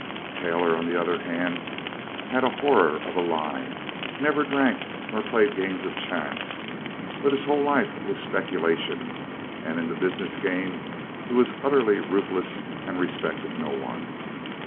Taylor, on the other hand, had a horror of a lie, never drank nor played games of chance, but his whole life was speculation and in the business game he was utterly ruthless and respected no one.